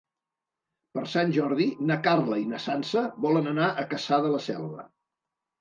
Per Sant Jordi na Carla i na Sança volen anar a Cassà de la Selva.